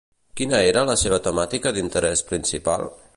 Quina era la seva temàtica d'interès principal?